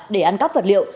để ăn cắp vật liệu